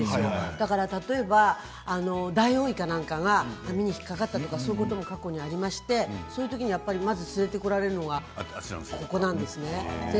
だから例えばダイオウイカなんかが網に引っ掛かったということも過去にありましてそういうときに、まず連れて来られるのがここなんですね。